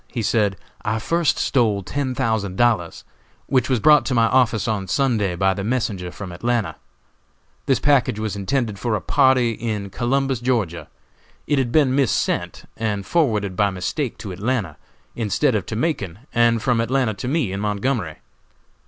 He said: "I first stole ten thousand dollars, which was brought to my office on Sunday, by the messenger from Atlanta. This package was intended for a party in Columbus, Ga. It had been missent, and forwarded by mistake to Atlanta, instead of to Macon, and from Atlanta to me in Montgomery.